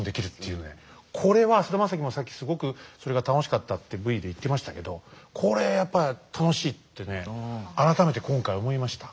これは菅田将暉もさっきすごくそれが楽しかったってＶで言ってましたけどこれやっぱ楽しいってね改めて今回思いました。